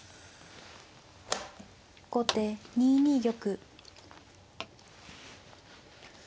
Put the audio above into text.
後手２二玉。